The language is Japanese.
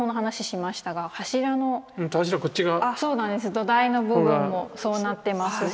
土台の部分もそうなってますし。